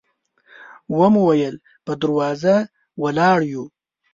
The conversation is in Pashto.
و مو ویل په دروازه ولاړ یو.